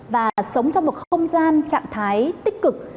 và sống trong một không gian trạng thái tích cực